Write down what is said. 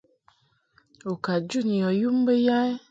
U ka jun yɔ yum bə ya?